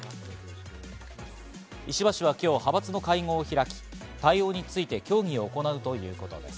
石破氏は今日、派閥の会合を開き、対応について協議を行うということです。